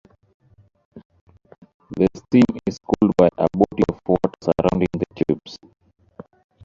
The steam is cooled by a body of water surrounding the tubes.